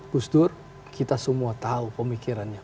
gusdur kita semua tahu pemikirannya